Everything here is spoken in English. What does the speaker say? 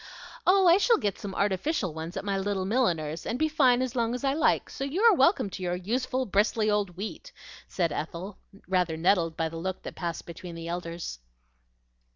"Oh, I shall get some artificial ones at my little milliner's, and be fine as long as I like; so you are welcome to your useful, bristly old wheat," said Ethel, rather nettled by the look that passed between the elders.